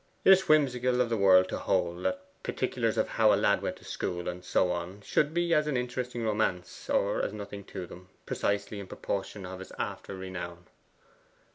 It is whimsical of the world to hold that particulars of how a lad went to school and so on should be as an interesting romance or as nothing to them, precisely in proportion to his after renown.